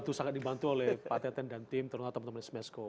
itu sangat dibantu oleh pak teten dan tim terutama teman teman dari smesco